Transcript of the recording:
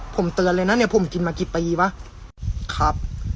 ผมเตือนเลยนะเนี่ยผมกินมากี่ปีป่ะครับ